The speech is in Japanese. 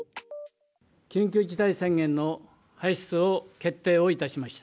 緊急事態宣言の発出を決定をいたしました。